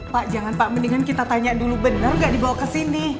pak jangan pak mendingan kita tanya dulu bener gak dibawa kesini